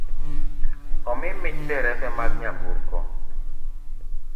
Omi mich derepe mag nyamburko